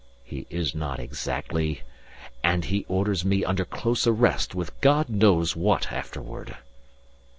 "He is not exactly.... And he orders me under close arrest with God knows what afterward."